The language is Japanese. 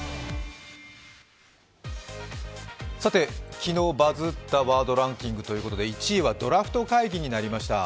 昨日バズったワードランキングということで１位はドラフト会議となりました。